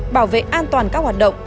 bảo vệ an toàn các hoạt động